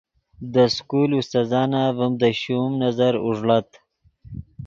دے سکول استاذانف ڤیم دے شوم نظر اوݱڑت